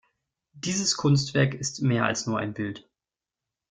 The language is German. Dieses Kunstwerk ist mehr als nur ein Bild.